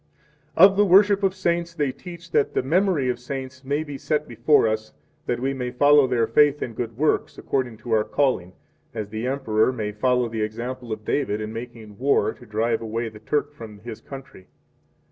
1 Of the Worship of Saints they teach that the memory of saints may be set before us, that we may follow their faith and good works, according to our calling, as the Emperor may follow the example of David in making war to drive away the Turk from his country.